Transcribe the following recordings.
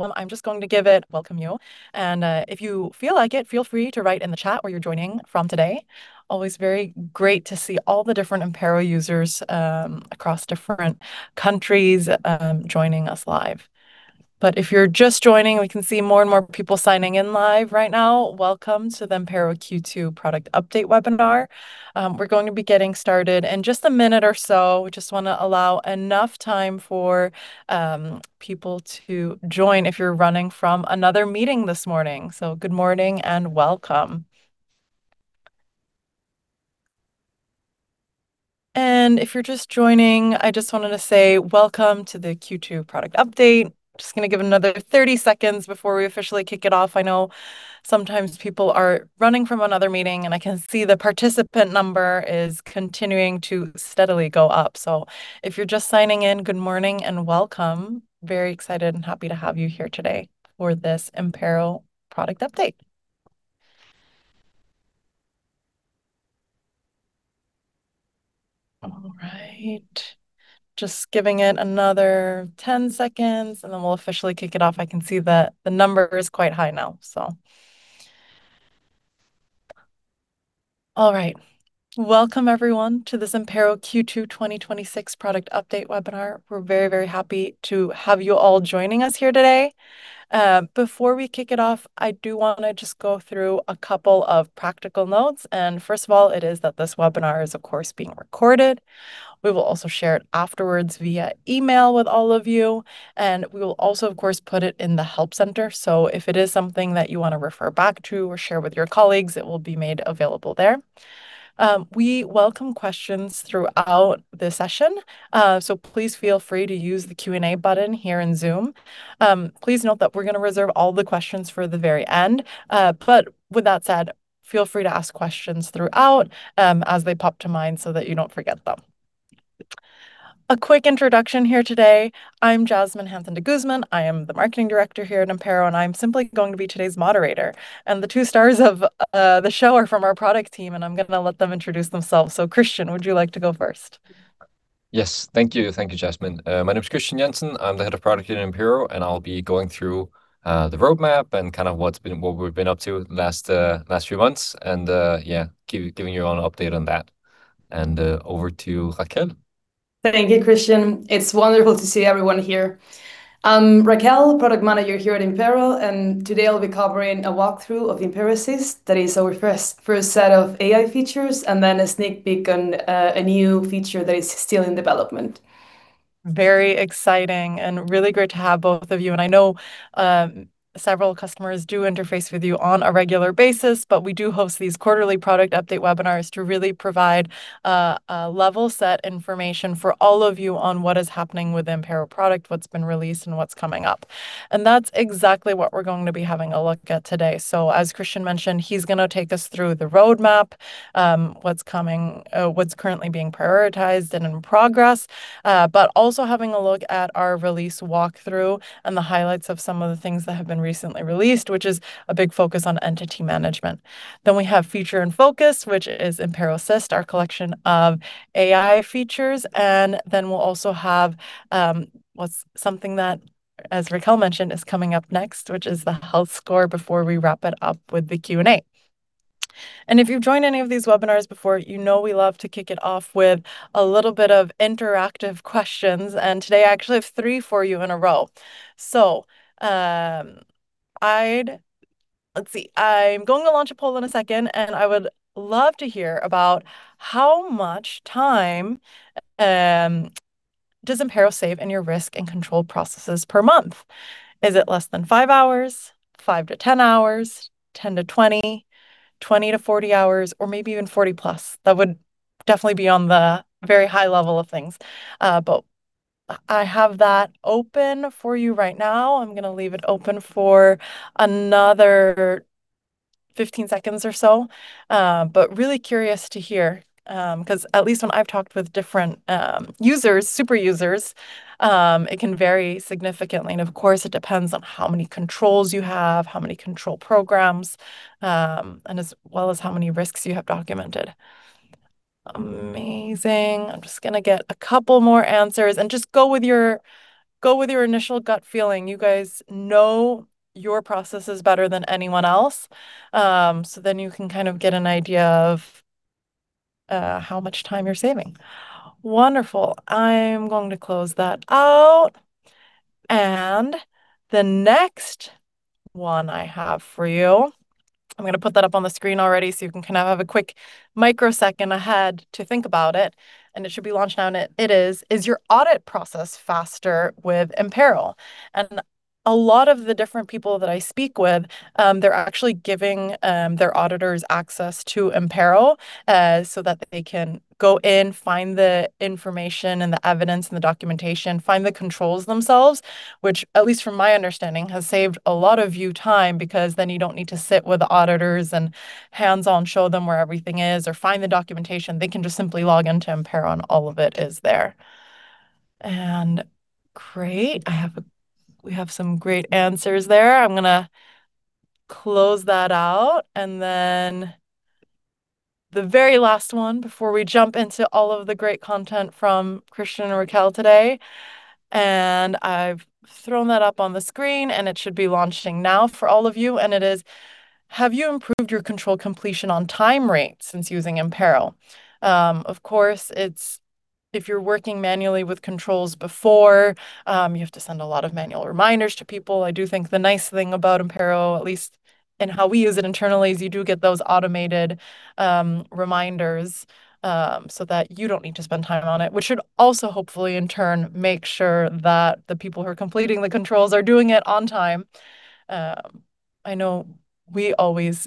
I'm just going to give it, welcome you. If you feel like it, feel free to write in the chat where you're joining from today. Always very great to see all the different Impero users across different countries joining us live. If you're just joining, we can see more and more people signing in live right now. Welcome to the Impero Q2 product update webinar. We're going to be getting started in just a minute or so. We just want to allow enough time for people to join if you're running from another meeting this morning. Good morning and welcome. If you're just joining, I just wanted to say welcome to the Q2 product update. Just going to give it another 30 seconds before we officially kick it off. I know sometimes people are running from another meeting, and I can see the participant number is continuing to steadily go up. If you're just signing in, good morning and welcome. Very excited and happy to have you here today for this Impero product update. All right. Just giving it another 10 seconds and then we'll officially kick it off. I can see that the number is quite high now. All right. Welcome everyone to this Impero Q2 2026 product update webinar. We're very, very happy to have you all joining us here today. Before we kick it off, I do want to just go through a couple of practical notes. First of all, it is that this webinar is of course being recorded. We will also share it afterwards via email with all of you, and we will also, of course, put it in the help center. If it is something that you want to refer back to or share with your colleagues, it will be made available there. We welcome questions throughout the session, so please feel free to use the Q&A button here in Zoom. Please note that we're going to reserve all the questions for the very end. With that said, feel free to ask questions throughout, as they pop to mind so that you don't forget them. A quick introduction here today. I'm Jasmine Hansen de Guzman. I am the Marketing Director here at Impero, and I'm simply going to be today's moderator. The two stars of the show are from our product team, and I'm going to let them introduce themselves. Kristian, would you like to go first? Yes. Thank you. Thank you, Jasmine. My name's Kristian Jensen. I'm the Head of Product here at Impero, and I'll be going through the roadmap and what we've been up to the last few months, and giving you all an update on that. Over to Raquel. Thank you, Kristian. It's wonderful to see everyone here. I'm Raquel, Product Manager here at Impero, Today I'll be covering a walkthrough of Impero Assist. That is our first set of AI features, Then a sneak peek on a new feature that is still in development. Very exciting and really great to have both of you. I know several customers do interface with you on a regular basis, We do host these quarterly product update webinars to really provide a level set information for all of you on what is happening with the Impero product, what's been released, What's coming up. That's exactly what we're going to be having a look at today. As Kristian mentioned, he's going to take us through the roadmap, what's currently being prioritized and in progress. Also having a look at our release walkthrough and the highlights of some of the things that have been recently released, which is a big focus on entity management. We have Feature in focus, which is Impero Assist, our collection of AI features, Then we'll also have what's something that, as Raquel mentioned, is coming up next, which is Control Health before we wrap it up with the Q&A. If you've joined any of these webinars before, you know we love to kick it off with a little bit of interactive questions, Today I actually have three for you in a row. Let's see. I'm going to launch a poll in a second, I would love to hear about how much time does Impero save in your risk and control processes per month? Is it less than five hours, 5-10 hours, 10-20 hours, 20-40 hours, or maybe even 40+ hours? That would definitely be on the very high level of things. I have that open for you right now. I'm going to leave it open for another 15 seconds or so. Really curious to hear, because at least when I've talked with different super users, it can vary significantly. Of course, it depends on how many controls you have, how many control programs, As well as how many risks you have documented. Amazing. I'm just going to get a couple more answers, and just go with your initial gut feeling. You guys know your processes better than anyone else. Then you can get an idea of how much time you're saving. Wonderful. I'm going to close that out. The next one I have for you, I'm going to put that up on the screen already so you can have a quick microsecond ahead to think about it. It should be launched now, and it is. Is your audit process faster with Impero? A lot of the different people that I speak with, they're actually giving their auditors access to Impero, so that they can go in, find the information and the evidence and the documentation, find the controls themselves, which, at least from my understanding, has saved a lot of you time because then you don't need to sit with auditors and hands-on show them where everything is or find the documentation. They can just simply log into Impero and all of it is there. Great. We have some great answers there. I'm going to close that out. The very last one before we jump into all of the great content from Kristian and Raquel today, I've thrown that up on the screen. It should be launching now for all of you, and it is: Have you improved your control completion on-time rate since using Impero? Of course, if you're working manually with controls before, you have to send a lot of manual reminders to people. I do think the nice thing about Impero, at least in how we use it internally, is you do get those automated reminders so that you don't need to spend time on it, which should also hopefully, in turn, make sure that the people who are completing the controls are doing it on time. I know we always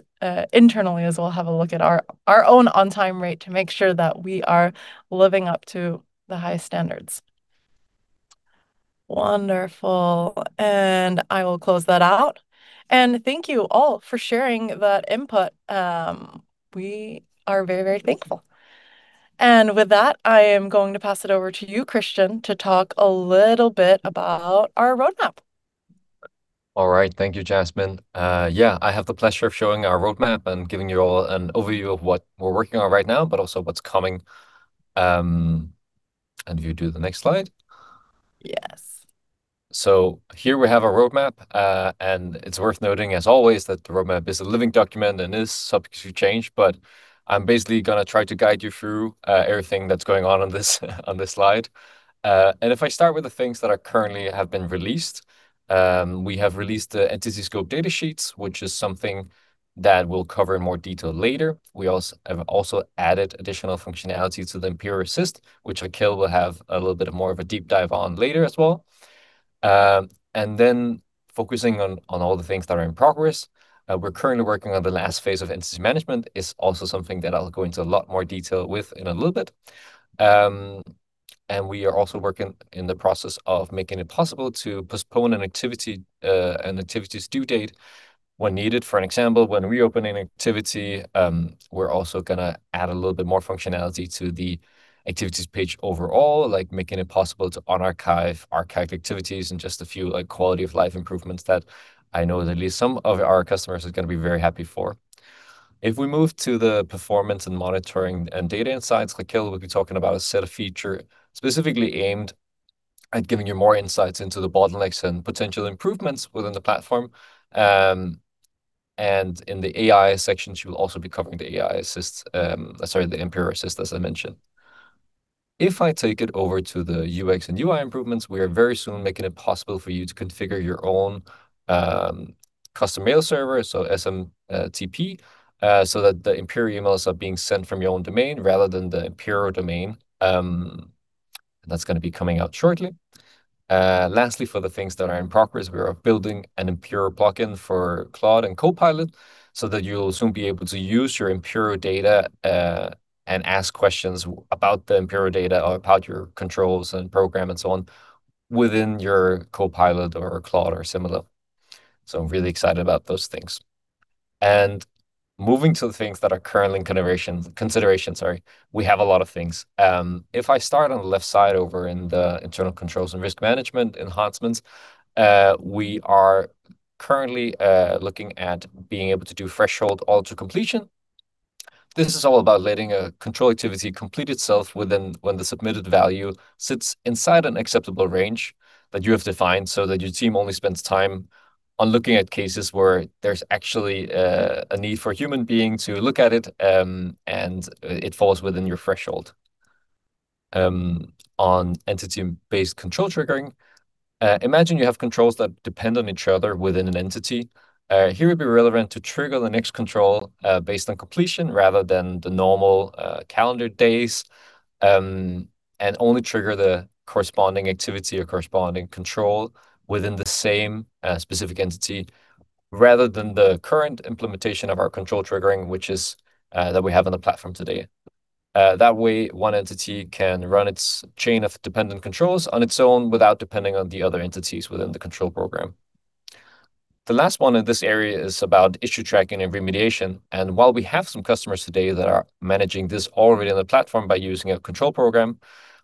internally as well have a look at our own on-time rate to make sure that we are living up to the highest standards. Wonderful. I will close that out. Thank you all for sharing that input. We are very, very thankful. With that, I am going to pass it over to you, Kristian, to talk a little bit about our roadmap. All right. Thank you, Jasmine. Yeah, I have the pleasure of showing our roadmap and giving you all an overview of what we're working on right now, but also what's coming. If you do the next slide. Yes. Here we have a roadmap, it's worth noting, as always, that the roadmap is a living document and is subject to change. I'm basically going to try to guide you through everything that's going on on this slide. If I start with the things that currently have been released, we have released the entity scope data sheets, which is something that we'll cover in more detail later. We have also added additional functionality to the Impero Assist, which Raquel will have a little bit more of a deep dive on later as well. Focusing on all the things that are in progress. We're currently working on the last phase of entity management. It's also something that I'll go into a lot more detail with in a little bit. We are also working in the process of making it possible to postpone an activity's due date when needed. For example, when reopening activity, we're also going to add a little bit more functionality to the activities page overall, like making it possible to unarchive, archive activities, and just a few quality-of-life improvements that I know at least some of our customers are going to be very happy for. If we move to the performance and monitoring and data insights, Raquel will be talking about a set of feature specifically aimed at giving you more insights into the bottlenecks and potential improvements within the platform. In the AI section, she will also be covering the Impero Assist, as I mentioned. If I take it over to the UX and UI improvements, we are very soon making it possible for you to configure your own custom mail server, SMTP, so that the Impero emails are being sent from your own domain rather than the Impero domain. That's going to be coming out shortly. Lastly, for the things that are in progress, we are building an Impero plugin for Claude and Copilot so that you'll soon be able to use your Impero data, and ask questions about the Impero data or about your controls and program and so on within your Copilot or Claude or similar. I'm really excited about those things. Moving to the things that are currently in consideration, we have a lot of things. If I start on the left side over in the internal controls and risk management enhancements, we are currently looking at being able to do threshold auto-completion. This is all about letting a control activity complete itself when the submitted value sits inside an acceptable range that you have defined so that your team only spends time on looking at cases where there's actually a need for a human being to look at it, and it falls within your threshold. On entity-based control triggering, imagine you have controls that depend on each other within an entity. Here it would be relevant to trigger the next control based on completion rather than the normal calendar days, and only trigger the corresponding activity or corresponding control within the same specific entity, rather than the current implementation of our control triggering, that we have on the platform today. That way, one entity can run its chain of dependent controls on its own without depending on the other entities within the control program. The last one in this area is about issue tracking and remediation, while we have some customers today that are managing this already on the platform by using a control program,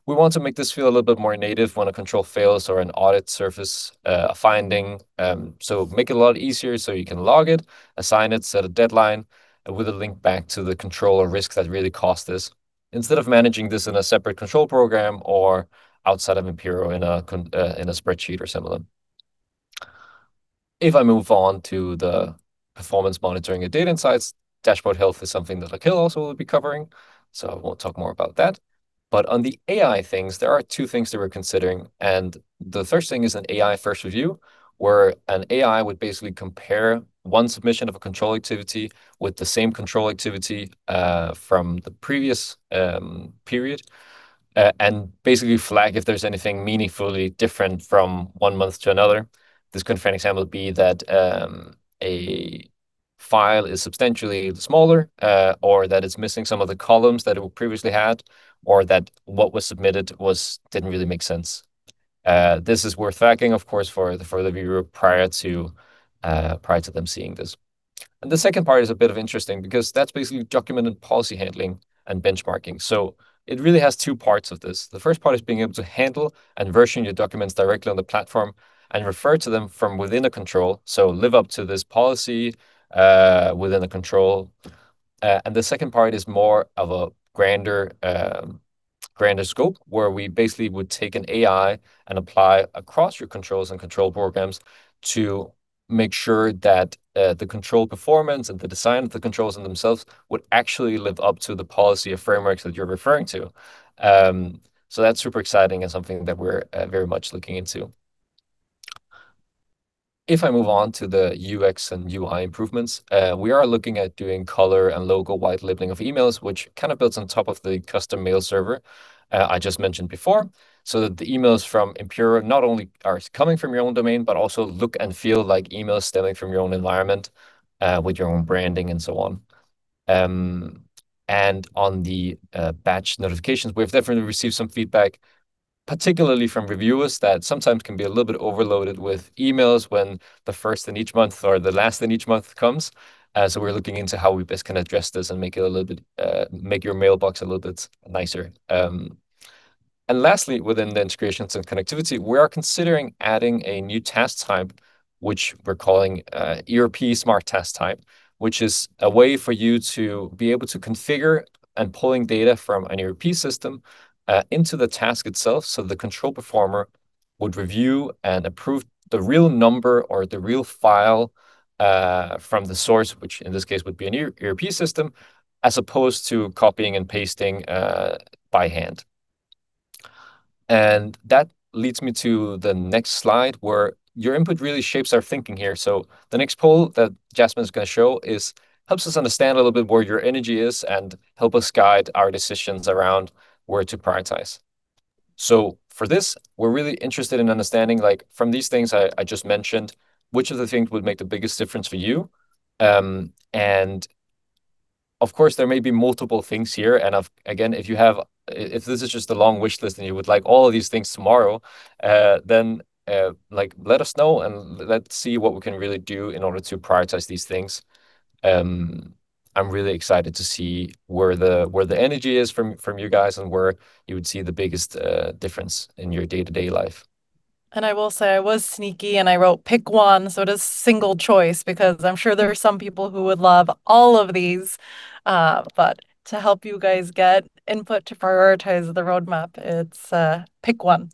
we want to make this feel a little bit more native when a control fails or an audit surfaces a finding. Make it a lot easier so you can log it, assign it, set a deadline with a link back to the control or risk that really caused this, instead of managing this in a separate control program or outside of Impero in a spreadsheet or similar. If I move on to the performance monitoring and data insights, Control Health is something that Raquel also will be covering, I won't talk more about that. On the AI things, there are two things that we're considering, the first thing is an AI-first review, where an AI would basically compare one submission of a control activity with the same control activity from the previous period, basically flag if there's anything meaningfully different from one month to another. This could, for example, be that a file is substantially smaller, or that it's missing some of the columns that it previously had, or that what was submitted didn't really make sense. This is worth flagging, of course, for the viewer prior to them seeing this. The second part is a bit interesting because that's basically documented policy handling and benchmarking. It really has two parts of this. The first part is being able to handle and version your documents directly on the platform and refer to them from within a control. Live up to this policy within the control. The second part is more of a grander scope where we basically would take an AI and apply across your controls and control programs to make sure that the control performance and the design of the controls in themselves would actually live up to the policy of frameworks that you're referring to. That's super exciting and something that we're very much looking into. If I move on to the UX and UI improvements, we are looking at doing color and logo whitelabeling of emails, which builds on top of the custom mail server I just mentioned before, that the emails from Impero not only are coming from your own domain, but also look and feel like emails stemming from your own environment with your own branding and so on. On the batch notifications, we've definitely received some feedback, particularly from reviewers, that sometimes can be a little bit overloaded with emails when the first in each month or the last in each month comes. We're looking into how we best can address this and make your mailbox a little bit nicer. Lastly, within the integrations and connectivity, we are considering adding a new task type, which we're calling ERP smart task type, which is a way for you to be able to configure and pulling data from an ERP system into the task itself, so the control performer would review and approve the real number or the real file from the source, which in this case would be an ERP system, as opposed to copying and pasting by hand. That leads me to the next slide, where your input really shapes our thinking here. The next poll that Jasmine's going to show helps us understand a little bit where your energy is and help us guide our decisions around where to prioritize. For this, we're really interested in understanding from these things I just mentioned, which of the things would make the biggest difference for you? Of course, there may be multiple things here. Again, if this is just a long wish list and you would like all of these things tomorrow, let us know and let's see what we can really do in order to prioritize these things. I'm really excited to see where the energy is from you guys and where you would see the biggest difference in your day-to-day life. I will say, I was sneaky, and I wrote, "Pick one," it is single choice, because I'm sure there are some people who would love all of these. To help you guys get input to prioritize the roadmap, it's pick one.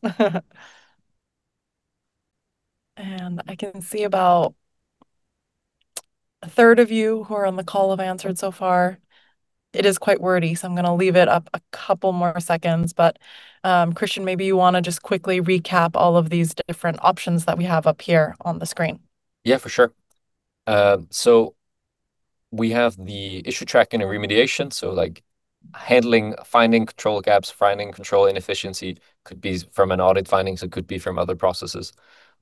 I can see about a third of you who are on the call have answered so far. It is quite wordy, so I'm going to leave it up a couple more seconds. Kristian, maybe you want to just quickly recap all of these different options that we have up here on the screen. For sure. We have the issue tracking and remediation, handling, finding control gaps, finding control inefficiency. Could be from an audit findings, it could be from other processes.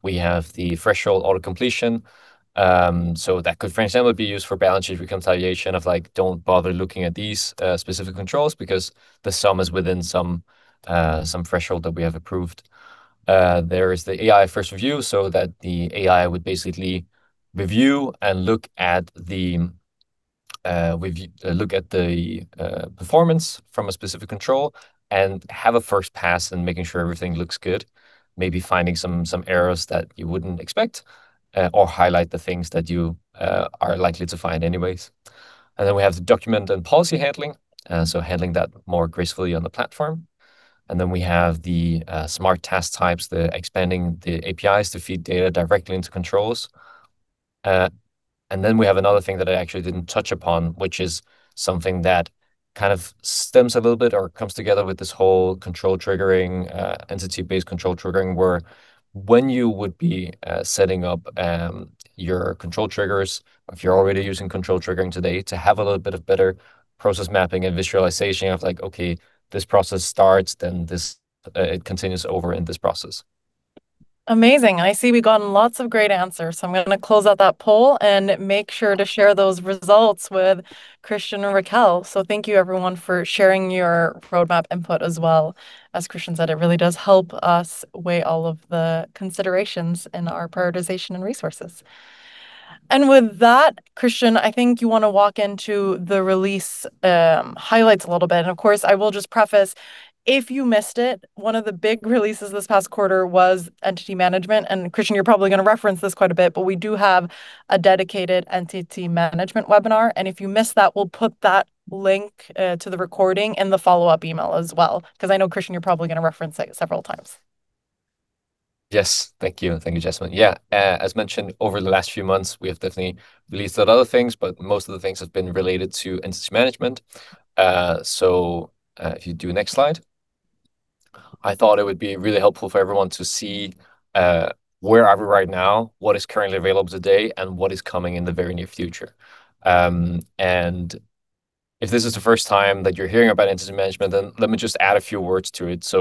We have the threshold auto-completion. That could, for example, be used for balance sheet reconciliation of don't bother looking at these specific controls because the sum is within some threshold that we have approved. There is the AI first review, that the AI would basically review and look at the performance from a specific control and have a first pass in making sure everything looks good, maybe finding some errors that you wouldn't expect or highlight the things that you are likely to find anyways. We have the document and policy handling that more gracefully on the platform. We have the smart task types, the expanding the APIs to feed data directly into controls. We have another thing that I actually didn't touch upon, which is something that stems a little bit or comes together with this whole control triggering, entity-based control triggering, where when you would be setting up your control triggers, if you're already using control triggering today, to have a little bit of better process mapping and visualization of like, okay, this process starts, then it continues over in this process. Amazing. I see we've gotten lots of great answers, I'm going to close out that poll and make sure to share those results with Kristian and Raquel. Thank you, everyone, for sharing your roadmap input as well. As Kristian said, it really does help us weigh all of the considerations in our prioritization and resources. With that, Kristian, I think you want to walk into the release highlights a little bit. Of course, I will just preface, if you missed it, one of the big releases this past quarter was Entity Management. Kristian, you're probably going to reference this quite a bit, but we do have a dedicated Entity Management webinar, and if you missed that, we'll put that link to the recording in the follow-up email as well. Because I know, Kristian, you're probably going to reference it several times. Yes. Thank you. Thank you, Jasmine. As mentioned, over the last few months, we have definitely released a lot of things, but most of the things have been related to Entity Management. If you do next slide. I thought it would be really helpful for everyone to see where are we right now, what is currently available today, and what is coming in the very near future. If this is the first time that you're hearing about Entity Management, then let me just add a few words to it.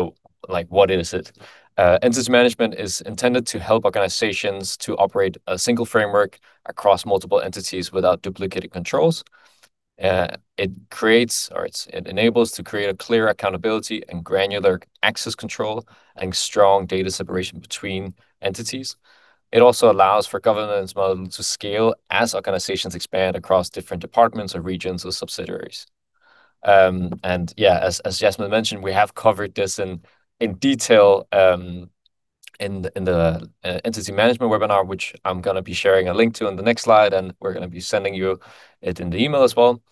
What is it? Entity Management is intended to help organizations to operate a single framework across multiple entities without duplicated controls. It creates, or it enables to create a clear accountability and granular access control and strong data separation between entities. It also allows for governance modeling to scale as organizations expand across different departments or regions or subsidiaries. As Jasmine mentioned, we have covered this in detail in the Entity Management webinar, which I'm going to be sharing a link to in the next slide, and we're going to be sending you it in the email as well.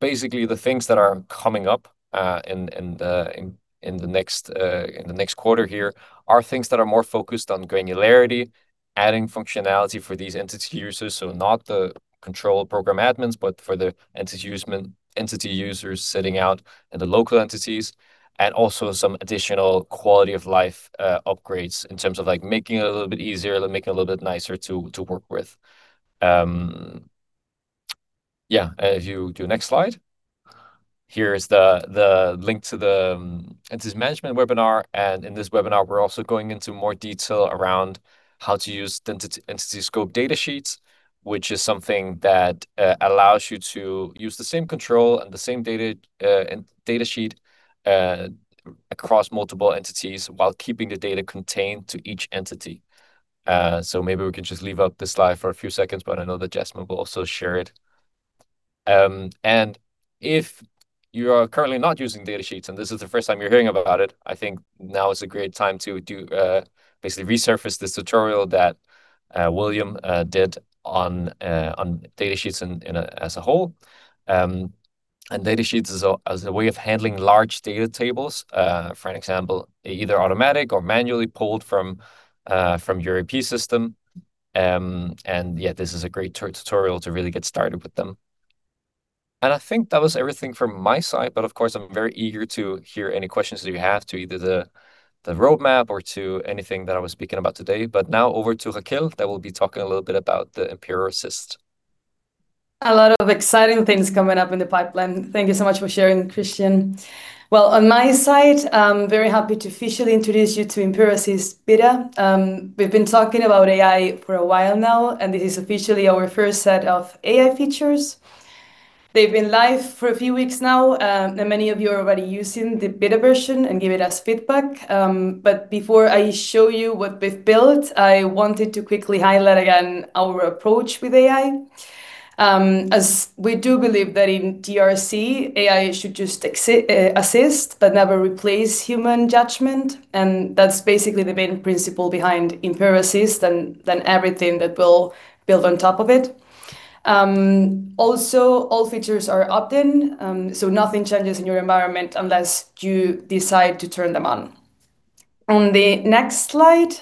Basically, the things that are coming up in the next quarter here are things that are more focused on granularity, adding functionality for these entity users, so not the control program admins, but for the entity users sitting out in the local entities, and also some additional quality of life upgrades in terms of making it a little bit easier, making it a little bit nicer to work with. If you do next slide, here is the link to the entity management webinar. In this webinar, we're also going into more detail around how to use entity scope data sheets, which is something that allows you to use the same control and the same data sheet across multiple entities while keeping the data contained to each entity. Maybe we can just leave up this slide for a few seconds, but I know that Jasmine will also share it. If you are currently not using data sheets, and this is the first time you're hearing about it, I think now is a great time to basically resurface this tutorial that William did on data sheets as a whole. Data sheets as a way of handling large data tables, for an example, either automatic or manually pulled from your AP system. Yeah, this is a great tutorial to really get started with them. I think that was everything from my side, but of course, I'm very eager to hear any questions that you have to either the roadmap or to anything that I was speaking about today. Now over to Raquel, that will be talking a little bit about the Impero Assist. A lot of exciting things coming up in the pipeline. Thank you so much for sharing, Kristian. Well, on my side, I'm very happy to officially introduce you to Impero Assist Beta. We've been talking about AI for a while now, and this is officially our first set of AI features. They've been live for a few weeks now. Many of you are already using the beta version and giving us feedback. Before I show you what we've built, I wanted to quickly highlight again our approach with AI, as we do believe that in GRC, AI should just assist but never replace human judgment. That's basically the main principle behind Impero Assist and then everything that will build on top of it. Also, all features are opt-in, so nothing changes in your environment unless you decide to turn them on. On the next slide,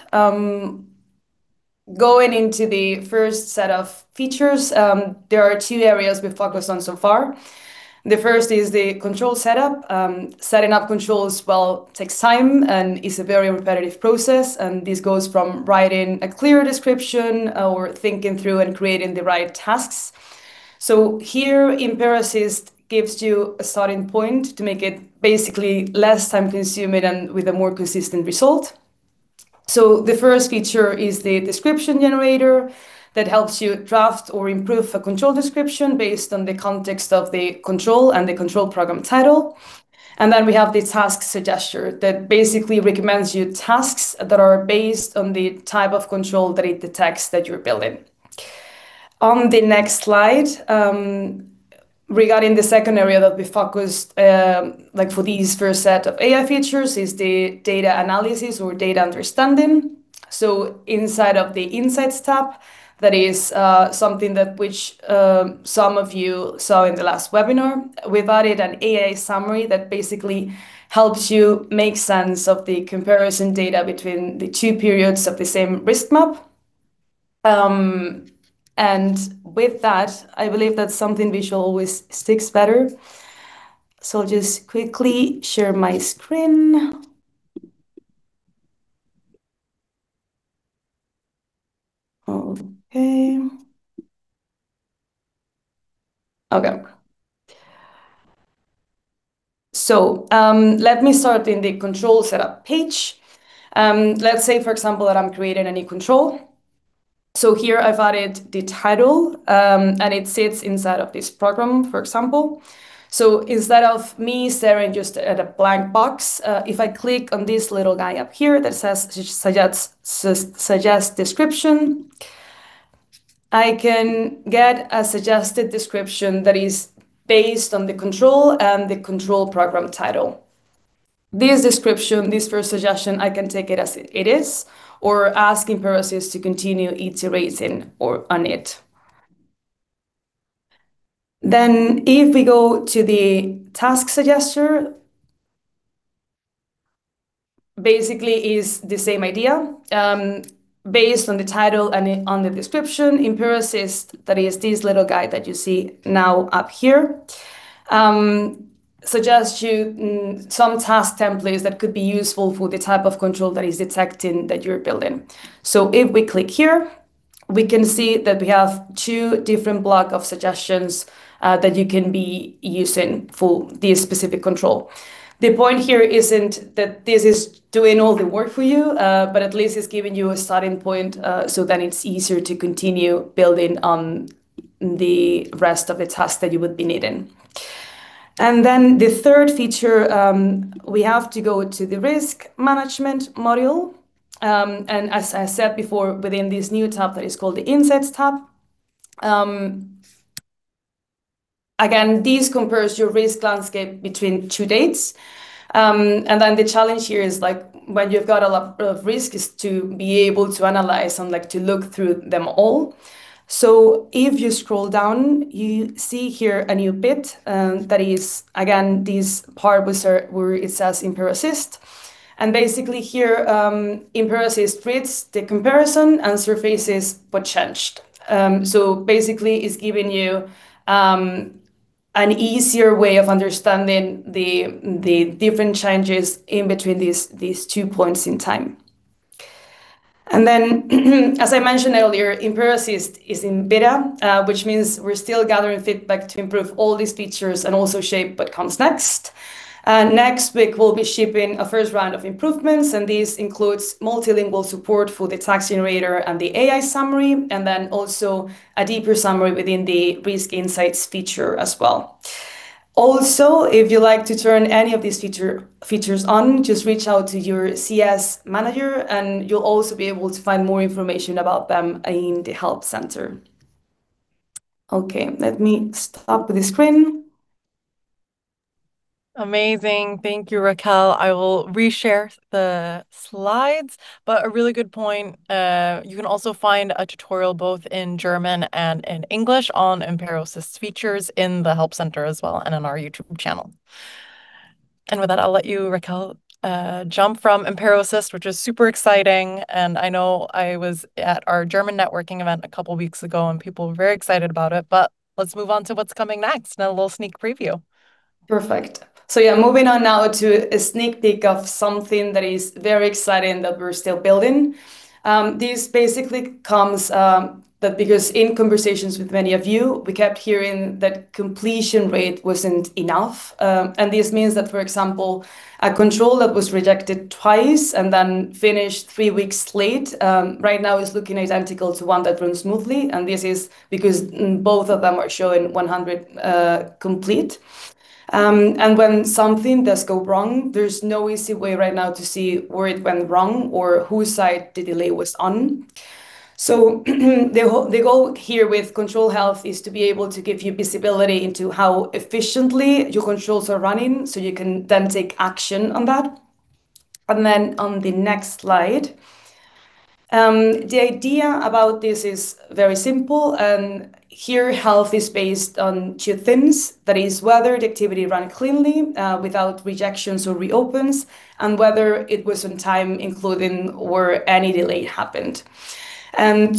going into the first set of features, there are two areas we've focused on so far. The first is the control setup. Setting up controls, well, takes time and is a very repetitive process. This goes from writing a clear description or thinking through and creating the right tasks. Here, Impero Assist gives you a starting point to make it basically less time-consuming and with a more consistent result. The first feature is the description generator that helps you draft or improve a control description based on the context of the control and the control program title. Then we have the task suggester that basically recommends you tasks that are based on the type of control that it detects that you're building. On the next slide, regarding the second area that we focused for these first set of AI features is the data analysis or data understanding. Inside of the Insights Tab, that is something that which some of you saw in the last webinar. We've added an AI summary that basically helps you make sense of the comparison data between the two periods of the same risk map. With that, I believe that something visual always sticks better. I'll just quickly share my screen. Okay. Okay. Let me start in the control setup page. Let's say, for example, that I'm creating a new control. Here I've added the title, and it sits inside of this program, for example. Instead of me staring just at a blank box, if I click on this little guy up here that says Suggest Description, I can get a suggested description that is based on the control and the control program title. This description, this first suggestion, I can take it as it is or ask Impero Assist to continue iterating on it. If we go to the Task Suggester, basically is the same idea. Based on the title and on the description, Impero Assist, that is this little guy that you see now up here, suggests you some task templates that could be useful for the type of control that is detecting that you're building. If we click here, we can see that we have two different block of suggestions that you can be using for this specific control. The point here isn't that this is doing all the work for you, but at least it's giving you a starting point so that it's easier to continue building on the rest of the tasks that you would be needing. The third feature, we have to go to the risk management module. As I said before, within this new tab that is called the Insights Tab. Again, this compares your risk landscape between two dates. The challenge here is when you've got a lot of risk, is to be able to analyze and to look through them all. If you scroll down, you see here a new bit, that is, again, this part where it says Impero Assist. Basically here, Impero Assist creates the comparison and surfaces what changed. Basically, it's giving you an easier way of understanding the different changes in between these two points in time. As I mentioned earlier, Impero Assist is in beta, which means we're still gathering feedback to improve all these features and also shape what comes next. Next week, we'll be shipping a first round of improvements, and this includes multilingual support for the text generator and the AI summary, and then also a deeper summary within the Risk Insights feature as well. If you'd like to turn any of these features on, just reach out to your CS manager, and you'll also be able to find more information about them in the help center. Okay, let me stop the screen. Amazing. Thank you, Raquel. I will re-share the slides. A really good point, you can also find a tutorial both in German and in English on Impero Assist features in the help center as well and on our YouTube channel. With that, I'll let you, Raquel, jump from Impero Assist, which is super exciting. I know I was at our German networking event a couple of weeks ago, and people were very excited about it. Let's move on to what's coming next, a little sneak preview. Perfect. Moving on now to a sneak peek of something that is very exciting that we're still building. This basically comes, because in conversations with many of you, we kept hearing that completion rate wasn't enough. This means that, for example, a control that was rejected twice and then finished three weeks late, right now is looking identical to one that ran smoothly, and this is because both of them are showing 100 complete. When something does go wrong, there's no easy way right now to see where it went wrong or whose side the delay was on. The goal here with Control Health is to be able to give you visibility into how efficiently your controls are running, so you can then take action on that. On the next slide. The idea about this is very simple. Here, health is based on two things. That is whether the activity ran cleanly, without rejections or reopens, and whether it was on time including where any delay happened.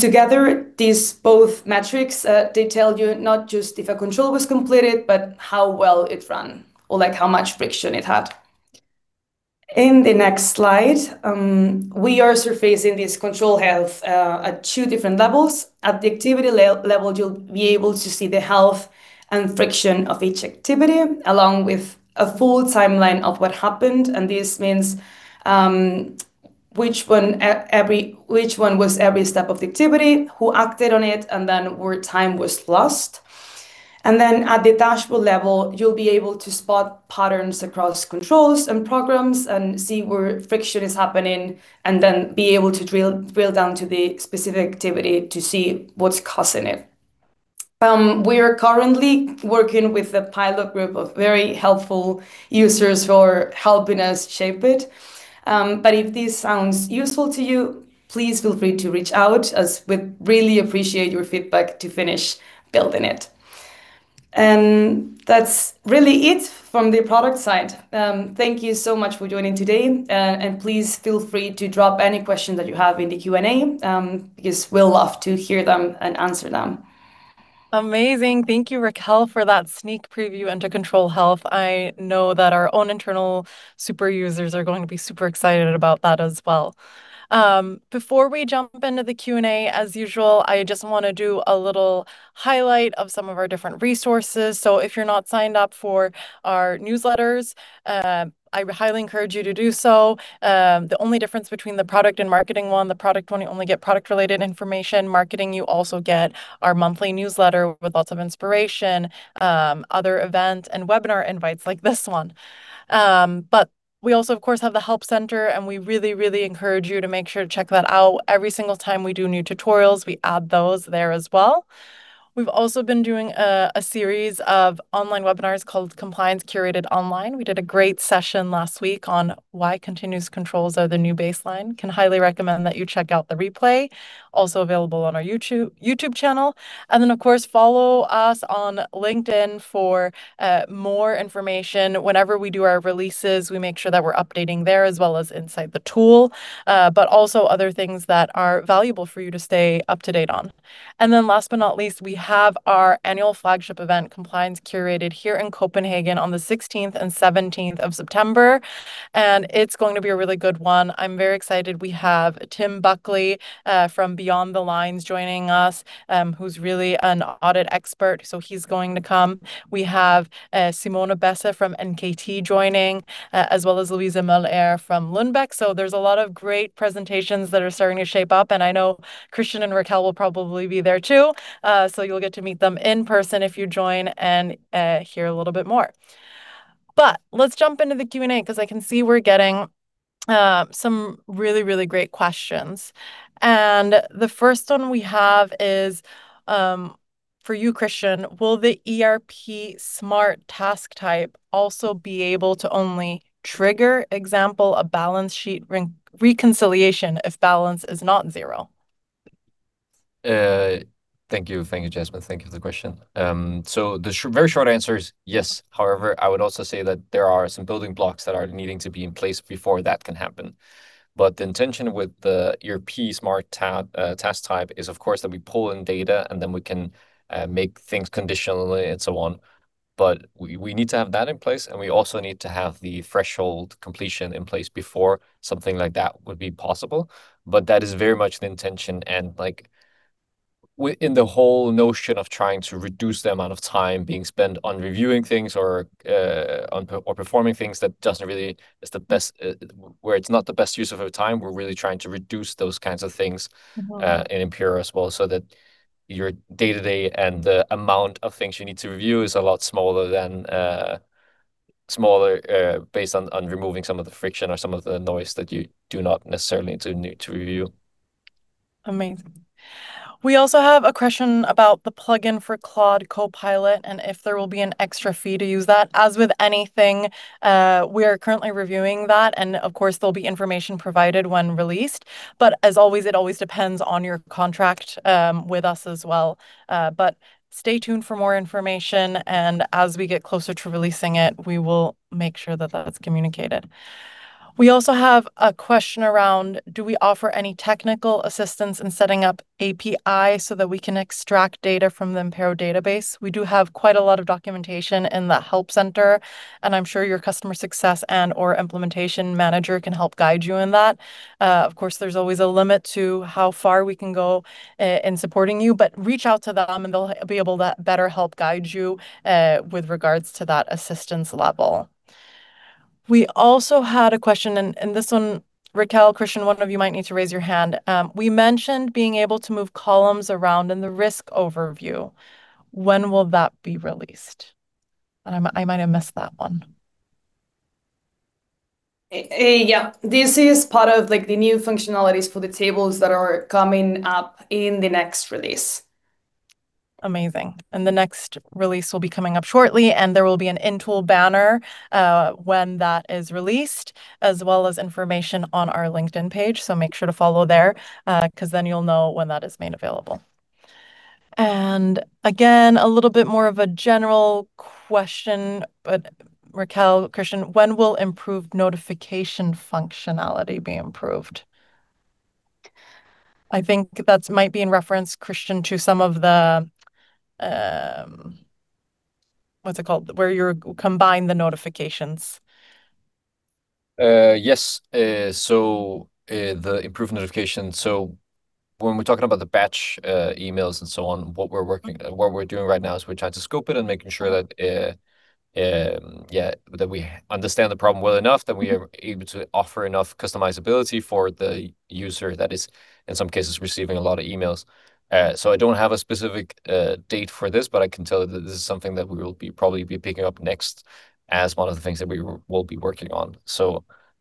Together, these both metrics, they tell you not just if a control was completed, but how well it ran, or how much friction it had. In the next slide, we are surfacing this Control Health at two different levels. At the activity level, you'll be able to see the health and friction of each activity, along with a full timeline of what happened. This means which one was every step of the activity, who acted on it, where time was lost. At the dashboard level, you'll be able to spot patterns across controls and programs and see where friction is happening, be able to drill down to the specific activity to see what's causing it. We are currently working with a pilot group of very helpful users who are helping us shape it. If this sounds useful to you, please feel free to reach out, as we'd really appreciate your feedback to finish building it. That's really it from the product side. Thank you so much for joining today, and please feel free to drop any questions that you have in the Q&A, because we'll love to hear them and answer them. Amazing. Thank you, Raquel, for that sneak preview into Control Health. I know that our own internal super users are going to be super excited about that as well. Before we jump into the Q&A, as usual, I just want to do a little highlight of some of our different resources. If you're not signed up for our newsletters, I highly encourage you to do so. The only difference between the product and marketing one, the product one, you only get product-related information. Marketing, you also get our monthly newsletter with lots of inspiration, other events, and webinar invites like this one. We also, of course, have the help center, and we really, really encourage you to make sure to check that out. Every single time we do new tutorials, we add those there as well. We've also been doing a series of online webinars called Compliance. Curated. [Online]. We did a great session last week on why continuous controls are the new baseline. Can highly recommend that you check out the replay, also available on our YouTube channel. Of course, follow us on LinkedIn for more information. Whenever we do our releases, we make sure that we're updating there as well as inside the tool, but also other things that are valuable for you to stay up-to-date on. Last but not least, we have our annual flagship event, Compliance. Curated., here in Copenhagen on the 16th and 17th of September. It's going to be a really good one. I'm very excited. We have Tim Buckley from Beyond the Lines joining us, who's really an audit expert. He's going to come. We have Simone Basse from NKT joining, as well as Louise Møller from Lundbeck. There's a lot of great presentations that are starting to shape up, and I know Kristian and Raquel will probably be there too. You'll get to meet them in person if you join and hear a little bit more. Let's jump into the Q&A, because I can see we're getting some really great questions. The first one we have is for you, Kristian: Will the ERP smart task type also be able to only trigger, example, a balance sheet reconciliation if balance is not zero? Thank you, Jasmine. Thank you for the question. The very short answer is yes. However, I would also say that there are some building blocks that are needing to be in place before that can happen. The intention with the ERP smart task type is, of course, that we pull in data, and then we can make things conditionally and so on. We need to have that in place, and we also need to have the threshold completion in place before something like that would be possible. That is very much the intention and in the whole notion of trying to reduce the amount of time being spent on reviewing things or performing things where it's not the best use of our time. We're really trying to reduce those kinds of things in Impero as well, so that your day-to-day and the amount of things you need to review is a lot smaller based on removing some of the friction or some of the noise that you do not necessarily need to review. Amazing. We also have a question about the plugin for Claude Copilot and if there will be an extra fee to use that. As with anything, we are currently reviewing that, and of course, there will be information provided when released. As always, it always depends on your contract with us as well. Stay tuned for more information, and as we get closer to releasing it, we will make sure that that's communicated. We also have a question around do we offer any technical assistance in setting up API so that we can extract data from the Impero database? We do have quite a lot of documentation in the help center, and I'm sure your customer success and/or implementation manager can help guide you in that. Of course, there's always a limit to how far we can go in supporting you, but reach out to them, and they'll be able to better help guide you with regards to that assistance level. We also had a question, and this one, Raquel, Kristian, one of you might need to raise your hand. We mentioned being able to move columns around in the risk overview. When will that be released? I might have missed that one. Yeah. This is part of the new functionalities for the tables that are coming up in the next release. The next release will be coming up shortly, there will be an in-tool banner when that is released, as well as information on our LinkedIn page. Make sure to follow there, because then you'll know when that is made available. Again, a little bit more of a general question, but Raquel, Kristian, when will improved notification functionality be improved? I think that might be in reference, Kristian, to some of the What's it called? Where you combine the notifications. Yes, the improved notification. When we're talking about the batch emails and so on, what we're doing right now is we're trying to scope it and making sure that we understand the problem well enough, that we are able to offer enough customizability for the user that is, in some cases, receiving a lot of emails. I don't have a specific date for this, but I can tell you that this is something that we will probably be picking up next as one of the things that we will be working on.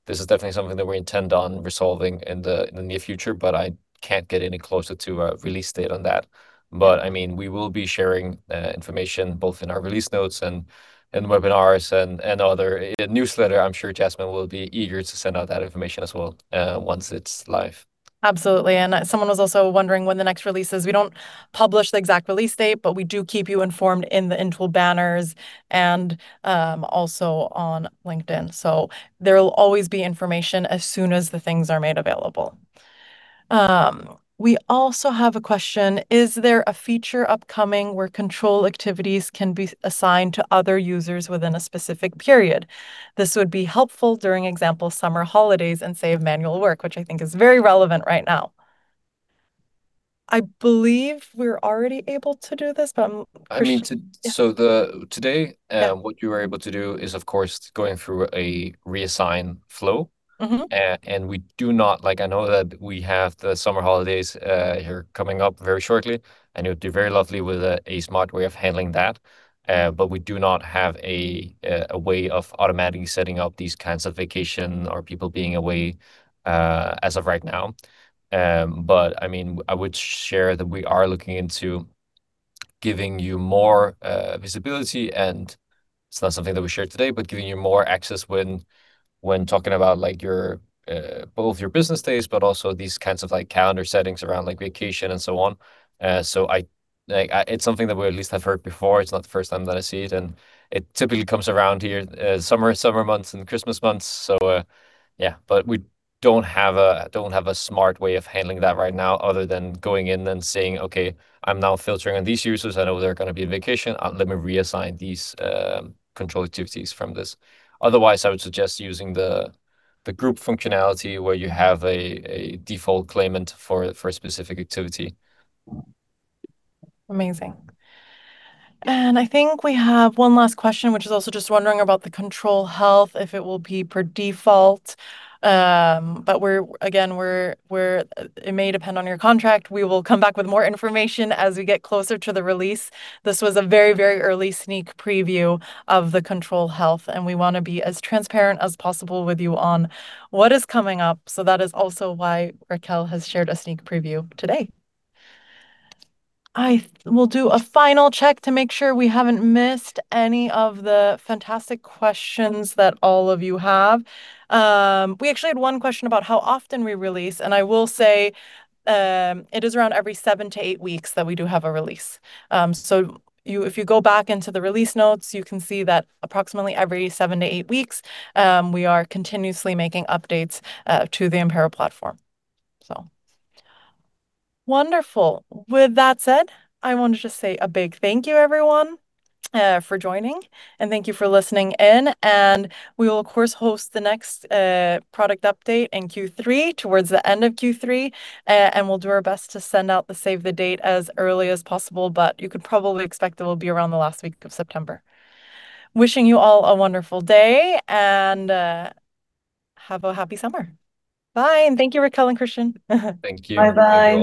This is definitely something that we intend on resolving in the near future, but I can't get any closer to a release date on that. We will be sharing information both in our release notes and webinars and other newsletter. I'm sure Jasmine will be eager to send out that information as well once it's live. Absolutely. Someone was also wondering when the next release is. We don't publish the exact release date, but we do keep you informed in the in-tool banners and also on LinkedIn. There will always be information as soon as the things are made available. We also have a question: Is there a feature upcoming where control activities can be assigned to other users within a specific period? This would be helpful during, example, summer holidays and save manual work, which I think is very relevant right now. I believe we're already able to do this. I mean, today. Yeah. What you are able to do is, of course, going through a reassign flow. I know that we have the summer holidays here coming up very shortly, and it would be very lovely with a smart way of handling that. We do not have a way of automatically setting up these kinds of vacation or people being away as of right now. I would share that we are looking into giving you more visibility and it's not something that we shared today, but giving you more access when talking about both your business days, but also these kinds of calendar settings around vacation and so on. It's something that we at least have heard before. It's not the first time that I see it, and it typically comes around here summer months and Christmas months. Yeah. We don't have a smart way of handling that right now other than going in and saying, "Okay, I'm now filtering on these users. I know they're going to be on vacation. Let me reassign these control activities from this." Otherwise, I would suggest using the group functionality where you have a default claimant for a specific activity. Amazing. I think we have one last question, which is also just wondering about the Control Health, if it will be per default. Again, it may depend on your contract. We will come back with more information as we get closer to the release. This was a very early sneak preview of the Control Health, and we want to be as transparent as possible with you on what is coming up. That is also why Raquel has shared a sneak preview today. I will do a final check to make sure we haven't missed any of the fantastic questions that all of you have. We actually had one question about how often we release, and I will say it is around every seven to eight weeks that we do have a release. If you go back into the release notes, you can see that approximately every seven to eight weeks, we are continuously making updates to the Impero platform. Wonderful. With that said, I want to just say a big thank you, everyone, for joining, and thank you for listening in. We will, of course, host the next product update in Q3, towards the end of Q3, and we'll do our best to send out the save the date as early as possible. You could probably expect it will be around the last week of September. Wishing you all a wonderful day, and have a happy summer. Bye, and thank you, Raquel and Kristian. Thank you. Bye-bye.